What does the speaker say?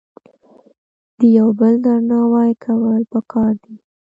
د یو بل درناوی کول په کار دي